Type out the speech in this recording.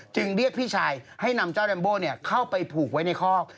เรียกพี่ชายให้นำเจ้าแรมโบเข้าไปผูกไว้ในคอก